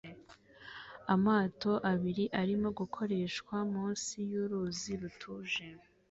Amato abiri arimo gukoreshwa munsi yuruzi rutuje